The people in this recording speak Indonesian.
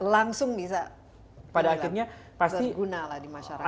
langsung bisa berguna lah di masyarakat